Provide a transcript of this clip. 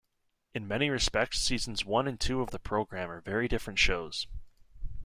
In many respects seasons one and two of the program are very different shows.